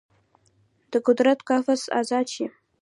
د قدرت قفس ازاد شي